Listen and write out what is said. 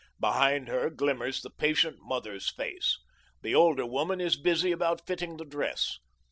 Behind her glimmers the patient mother's face. The older woman is busy about fitting the dress.